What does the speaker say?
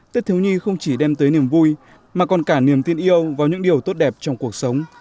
tết thiếu nhi không chỉ đem tới niềm vui mà còn cả niềm tin yêu vào những điều tốt đẹp trong cuộc sống